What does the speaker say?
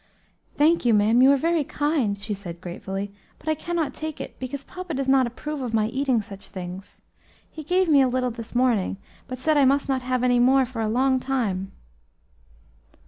"Thank you, ma'am, you are very kind," she said gratefully, "but I cannot take it, because papa does not approve of my eating such things. He gave me a little this morning, but said I must not have any more for a long time."